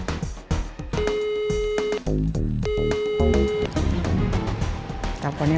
kalo dia dibohongin juga dihianatin kan sama pangeran